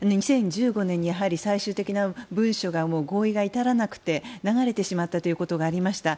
２０１５年に最終的な文書が合意に至らなくて流れてしまったということがありました。